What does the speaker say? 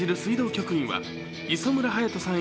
局員は磯村勇斗さん